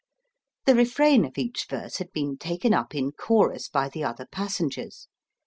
The refrain of each verse had been taken up in chorus by the other passengers.